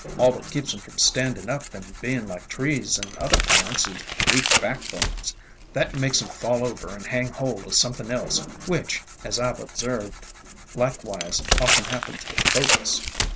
"All that keeps 'em from standing up and being like trees and other plants is weak backbones, that makes 'em fall over and hang hold of some 295 296 THE DRAPERY OF VINES thing else, which, as I 've observed, likewise often happens with folks.